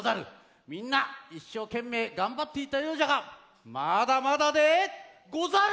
みんないっしょうけんめいがんばっていたようじゃがまだまだでござる！